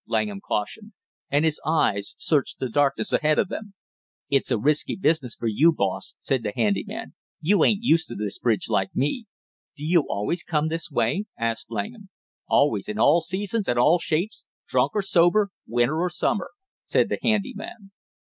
Langham cautioned, and his eyes searched the darkness ahead of them. "It's a risky business for you, boss," said the handy man. "You ain't used to this bridge like me." "Do you always come this way?" asked Langham. "Always, in all seasons and all shapes, drunk or sober, winter or summer," said the handy man.